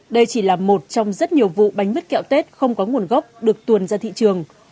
đây chỉ là một trong rất nhiều vụ bánh mứt kẹo tết không có nguồn gốc được tuồn ra thị trường